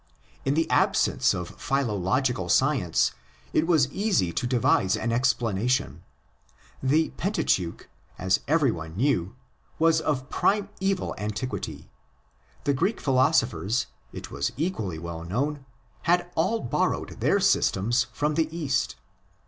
In the absence of philological science, it was easy to devise an explanation. The Pen tateuch, as every one knew, was of primeval antiquity. The Greek philosophers, it was equally well known, had all borrowed their systems from the East.